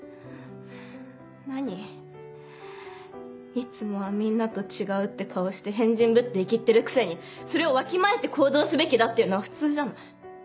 いつもはみんなと違うって顔して変人ぶってイキってるくせにそれをわきまえて行動すべきだっていうのは普通じゃない？